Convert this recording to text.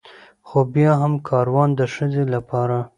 خو بيا هم کاروان د ښځې لپاره